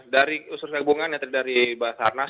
dari usur usur hubungan dari basarnas